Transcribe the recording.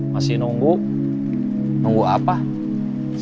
kamu mau ke kampus